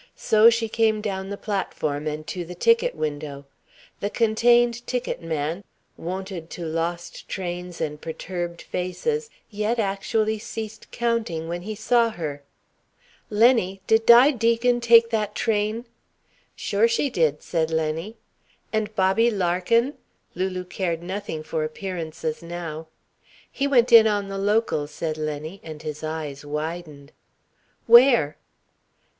So she came down the platform, and to the ticket window. The contained ticket man, wonted to lost trains and perturbed faces, yet actually ceased counting when he saw her: "Lenny! Did Di Deacon take that train?" "Sure she did," said Lenny. "And Bobby Larkin?" Lulu cared nothing for appearances now. "He went in on the Local," said Lenny, and his eyes widened. "Where?"